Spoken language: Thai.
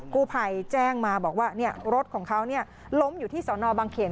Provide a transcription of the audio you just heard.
กูภัยแจ้งมาบอกว่าเนี่ยรถของเขาเนี่ยล้มอยู่ที่สอนอบังเขียน